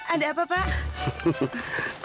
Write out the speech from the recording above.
ada apa pak